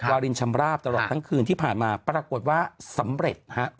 วารินชำราบตลอดทั้งคืนที่ผ่านมาปรากฏว่าสำเร็จฮะ